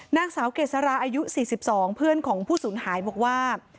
นางสาวเกษราอายุ๔๒เพื่อนของผู้สูญหายบอกว่า